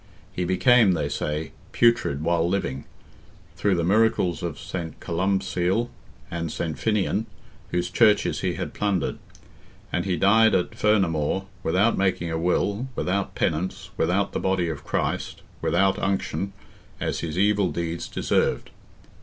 He became, they say, "putrid while living," through the miracles of St. Columbcille and St. Finian, whose churches he had plundered; "and he died at Fernamore, without making a will, without penance, without the body of Christ, without unction, as his evil deeds deserved."